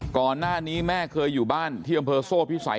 ก่อนหน้านี้แม่เคยอยู่บ้านที่อำเภอโซ่พิสัย